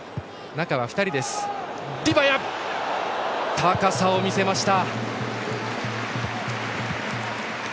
高さを見せました。